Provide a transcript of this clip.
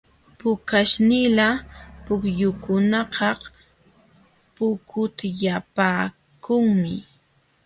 Pukaśhnila pukyukunakaq pukutyapaakunmi.